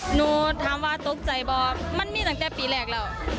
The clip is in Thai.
หนูถามว่าตกใจบ่มันมีตั้งแต่ปีแรกแล้ว